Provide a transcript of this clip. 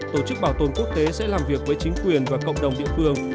tổ chức bảo tồn quốc tế sẽ làm việc với chính quyền và cộng đồng địa phương